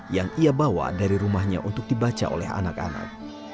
yang ia bawa dari rumahnya untuk dibaca oleh anak anak